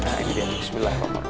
nah ini dia bismillahirrahmanirrahim